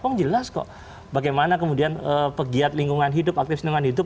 oh jelas kok bagaimana kemudian pegiat lingkungan hidup aktif lingkungan hidup